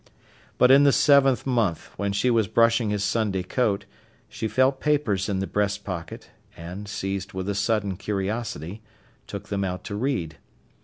But in the seventh month, when she was brushing his Sunday coat, she felt papers in the breast pocket, and, seized with a sudden curiosity, took them out to read.